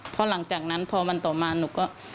พอหลังจากนั้นพอวันต่อมาหนูก็